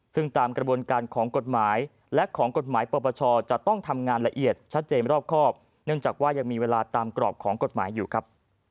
ซึ่งตามกระบวนการของกฎหมายและของกฎหมายปปชจะต้องทำงานละเอียดชัดเจนรอบครอบเนื่องจากว่ายังมีเวลาตามกรอบของกฎหมายอยู่ครับ